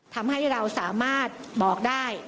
ทำให้เราสามารถบอกได้